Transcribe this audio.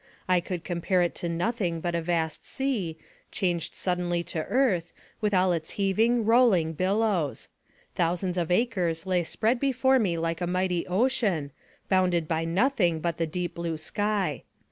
I could compare it to nothing but a vast sea, changed suddenly to earth, with all its heaving, rolling billows; thousands of acres lay spread before me like a mighty ocean, bounded by nothing but the deep blue sky.